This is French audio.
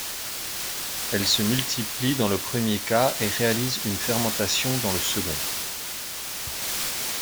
Elle se multiplie dans le premier cas et réalise une fermentation dans le second.